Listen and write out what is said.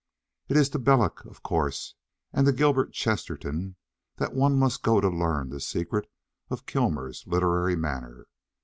It is to Belloc, of course, and to Gilbert Chesterton, that one must go to learn the secret of Kilmer's literary manner.